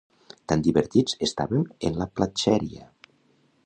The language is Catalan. Tan divertits estàvem en la platxèria.